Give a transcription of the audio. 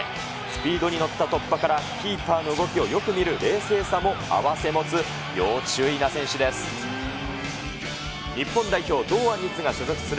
スピードに乗った突破からキーパーの動きをよく見る冷静さも併せ持つ要注意な選手です。